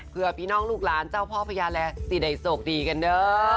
เพื่อพี่น้องลูกหลานเจ้าพ่อพญาแลสิได้โศกดีกันเด้อ